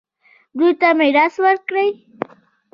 دوی ته میراث ورکړئ